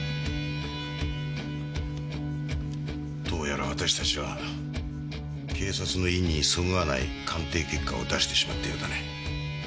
どうやら私たちは警察の意にそぐわない鑑定結果を出してしまったようだね。